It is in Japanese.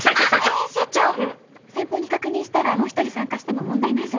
編集長先方に確認したらもう一人参加しても問題ないそうです。